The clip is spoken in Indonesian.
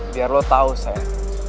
biar lo tau sam